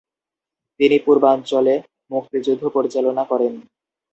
তিনি পূর্বাঞ্চলে মুক্তিযুদ্ধ পরিচালনা করেন।